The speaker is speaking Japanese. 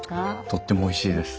とってもおいしいです。